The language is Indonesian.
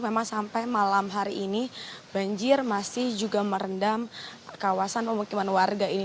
memang sampai malam hari ini banjir masih juga merendam kawasan pemukiman warga ini